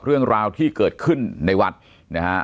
เรื่องราวที่เกิดขึ้นในวัดนะฮะ